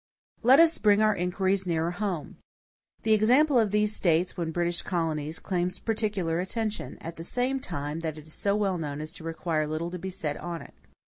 Let us bring our inquiries nearer home. The example of these States, when British colonies, claims particular attention, at the same time that it is so well known as to require little to be said on it.